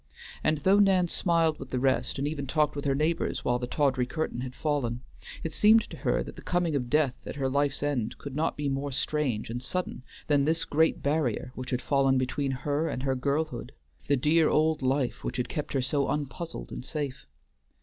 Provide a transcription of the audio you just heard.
And though Nan smiled with the rest, and even talked with her neighbors while the tawdry curtain had fallen, it seemed to her that the coming of Death at her life's end could not be more strange and sudden than this great barrier which had fallen between her and her girlhood, the dear old life which had kept her so unpuzzled and safe.